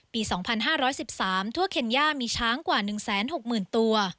ปี๒๕๑๓ทั่วเคนย่ามีช้างกว่า๑๖๐๐๐ตัว